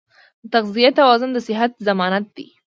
د تغذیې توازن د صحت ضمانت دی.